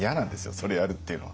それをやるっていうのは。